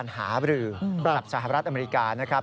หาบรือปรับสหรัฐอเมริกานะครับ